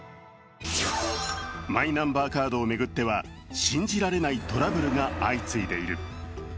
マイナンバーカードを巡っては信じられないトラブルが相次いでいる。